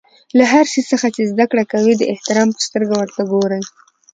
له هر شي څخه چي زدکړه کوى؛ د احترام په سترګه ورته ګورئ!